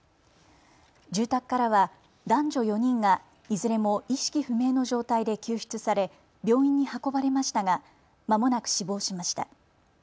住宅からは男女４人がいずれも意識不明の状態で救出され病院に運ばれましたがまもなく死亡しました。